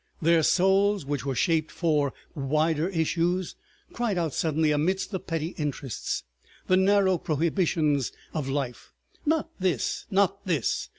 Their souls, which were shaped for wider issues, cried out suddenly amidst the petty interests, the narrow prohibitions, of life, "Not this! not this!"